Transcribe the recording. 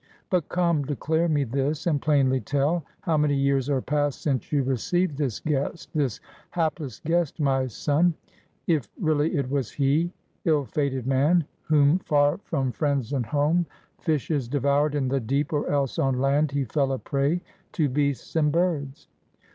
But come, declare me this, and plainly tell: how many years are passed since you received this guest, this hapless guest, my son, — if really it was he, ill fated man! — whom, far from 36 ODYSSEUS AND HIS FATHER friends and home, fishes devoured in the deep or else on land he fell a prey to beasts and birds.